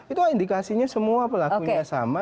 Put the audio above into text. itu indikasinya semua pelakunya sama